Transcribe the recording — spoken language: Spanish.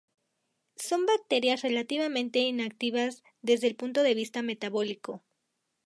Son bacterias relativamente inactivas desde el punto de vista metabólico.